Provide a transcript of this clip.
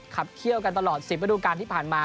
เขี้ยวกันตลอด๑๐ระดูการที่ผ่านมา